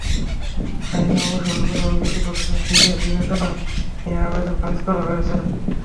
আইন অনুসরণ করে অভিযোগ গঠনের দিক বিবেচনায় নিয়ে আবেদন খারিজ করা হয়েছে।